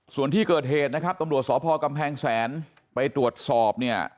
ส่วนที่เกิดเหตุนะครับตำรวจสพกำแพงแสนไปตรวจสอบเนี่ย